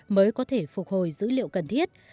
mới có thể trả cho tên tặc